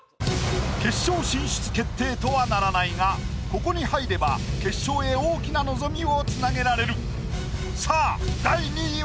決勝進出決定とはならないがここに入れば決勝へ大きな望みをつなげられる。